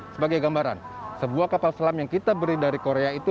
sebagai gambaran sebuah kapal selam yang kita beri dari korea itu